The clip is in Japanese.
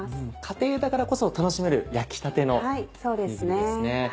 家庭だからこそ楽しめる焼きたてのおにぎりですね。